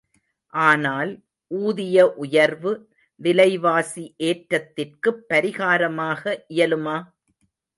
ஆனால் ஊதிய உயர்வு, விலைவாசி ஏற்றத்திற்குப் பரிகாரமாக இயலுமா?